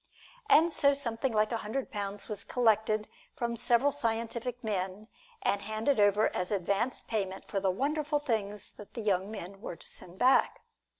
And so something like a hundred pounds was collected from several scientific men, and handed over as advance payment for the wonderful things that the young men were to send back.